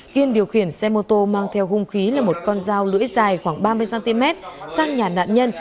kiên điều khiển xe mô tô mang theo hung khí là một con dao lưỡi dài khoảng ba mươi cm sang nhà nạn nhân